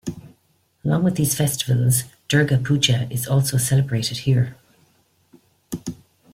Along with these festivals Durga Puja is also celebrated here.